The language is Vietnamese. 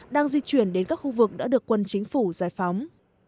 đang di chuyển đến các khu vực đã được quân chính phủ giải phóng